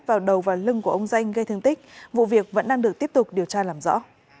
vào đầu và lưng của ông danh gây thương tích vụ việc vẫn đang được tiếp tục điều tra làm rõ